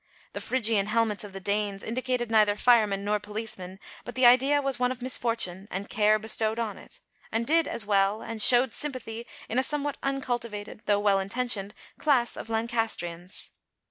The Phrygian helmets of the Danes indicated neither firemen nor policemen; but the idea was one of misfortune, and care bestowed on it and did as well, and showed sympathy in a somewhat uncultivated, though well intentioned, class of Lancastrians.